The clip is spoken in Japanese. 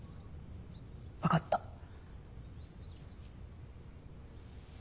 分かった。